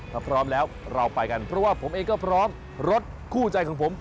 ถ้าพร้อมแล้วเราไปกันเพราะว่าผมเองก็พร้อมรถคู่ใจของผม